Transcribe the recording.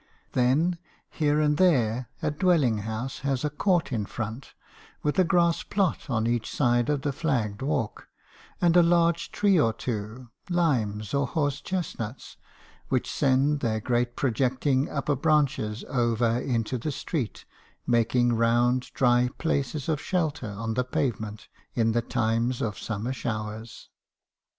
Then , here and there a dwelling house has a court in front, with a grass plot on each side of the flagged walk, and a large tree or two — limes or horse chestnuts — which send their great projecting upper branches over into the street, 240 me. Harrison's confessions. making round dry places of shelter on the pavement in the times of summer showers.